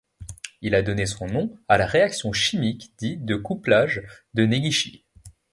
Il a donné son nom à la réaction chimique dite de couplage de Negishi.